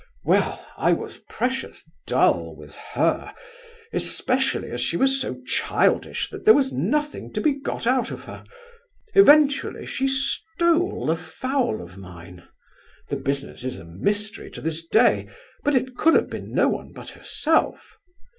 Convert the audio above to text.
"Well, I was precious dull with her, especially as she was so childish that there was nothing to be got out of her. Eventually, she stole a fowl of mine; the business is a mystery to this day; but it could have been no one but herself.